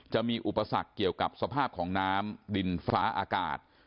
จะมีอุปสรรคเกี่ยวกับสภาพของน้ำดินฟ้าอากาศ